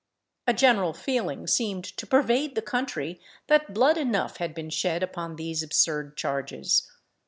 A general feeling seemed to pervade the country that blood enough had been shed upon these absurd charges.